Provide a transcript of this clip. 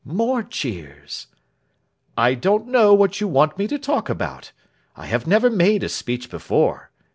More cheers. "I don't know what you want me to talk about. I have never made a speech before.